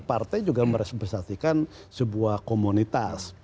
partai juga merespesatikan sebuah komunitas